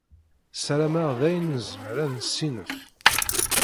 Sarameɣ d ayen nezmer ad nessinef.